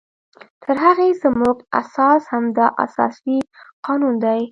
تر هغې زمونږ اساس همدا اساسي قانون دی